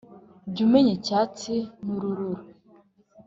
jya umenya icyatsi n’ururo